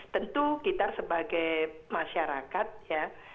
tentu kita sebagai masyarakat ya